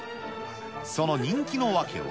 その人気の訳は。